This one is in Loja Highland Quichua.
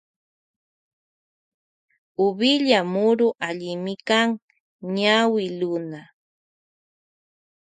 Uvilla muru allimikan ñawi luna.